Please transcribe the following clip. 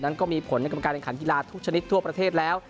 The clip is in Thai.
ก็มีผลในกรรมการแข่งขันกีฬาทุกชนิดทั่วประเทศแล้ว